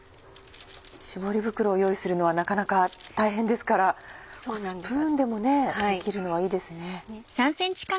絞り袋を用意するのはなかなか大変ですからスプーンでもできるのはいいですね。